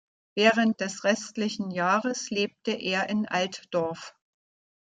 Während des restlichen Jahres lebte er in Altdorf.